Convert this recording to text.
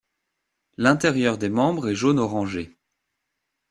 L'intérieur des membres est jaune-orangé.